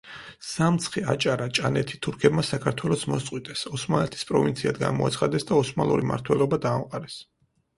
სამცხე, აჭარა, ჭანეთი თურქებმა საქართველოს მოსწყვიტეს, ოსმალეთის პროვინციად გამოაცხადეს და ოსმალური მმართველობა დაამყარეს.